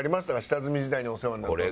下積み時代にお世話になった。